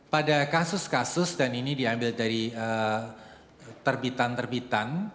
pada kasus kasus dan ini diambil dari terbitan terbitan